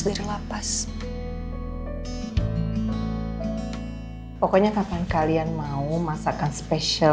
diri lapas pokoknya